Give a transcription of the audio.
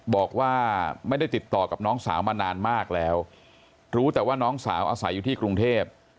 บอกว่าไม่ได้ติดต่อกับน้องสาวมานานมากแล้วรู้แต่ว่าน้องสาวอาศัยอยู่ที่กรุงเทพ